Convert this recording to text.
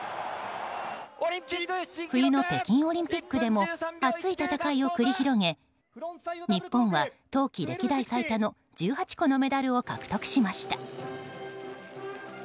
冬の北京オリンピックでも熱い戦いを繰り広げ日本は冬季歴代最多の１８個のメダルを獲得しました。